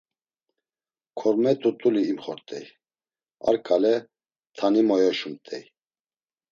Korme t̆ut̆uli imxort̆ey; a ǩale tani moyoşumt̆ey.